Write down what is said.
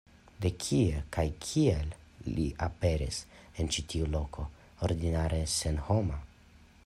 De kie kaj kiel li aperis en ĉi tiu loko, ordinare senhoma?